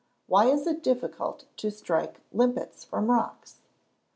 _Why is it difficult to strike limpets from rocks?